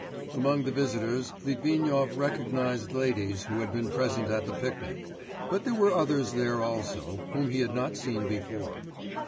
_' Among the visitors Litvinov recognised ladies who had been present at the picnic; but there were others there also whom he had not seen before.